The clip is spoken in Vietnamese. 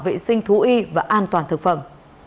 vệ sinh thú y và an toàn thực phẩm